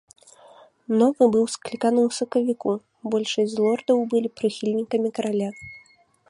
Новы быў скліканы ў сакавіку, большасць з лордаў былі прыхільнікамі караля.